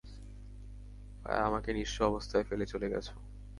আমাকে নিঃস্ব অবস্থায় ফেলে চলে গেছো।